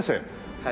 はい。